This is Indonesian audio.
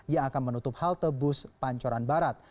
yang akan menutup halte bus pancoran barat